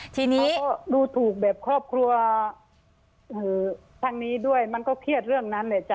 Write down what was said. ทีนี้ดูถูกแบบครอบครัวทางนี้ด้วยมันก็เครียดเรื่องนั้นแหละจ้